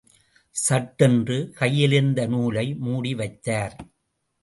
சட்டென்று, கையிலிருந்த நூலை மூடி வைத்தார்.